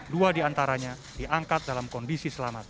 dua diantaranya diangkat dalam konbis